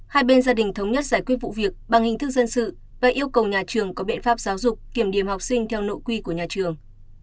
hai bên gia đình thống nhất giải quyết vụ việc bằng hình thức dân sự và yêu cầu nhà trường có biện pháp giáo dục kiểm điểm học sinh theo nội quy của nhà trường